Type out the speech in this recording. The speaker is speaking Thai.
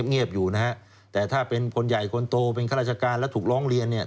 เงียบอยู่นะฮะแต่ถ้าเป็นคนใหญ่คนโตเป็นข้าราชการและถูกร้องเรียนเนี่ย